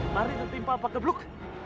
mari kita timpah apa gebluk